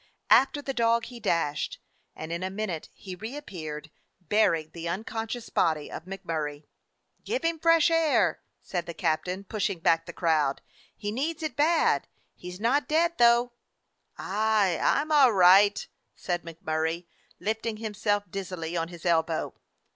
After the dog he dashed, and in a minute he reappeared, bearing the unconscious body of MacMurray. "Give him fresh air," said the captain, push ing back the crowd. "He needs it bad. He 's not dead, though." "Aye, I 'm all right," said MacMurray, lifting himself dizzily on his elbow.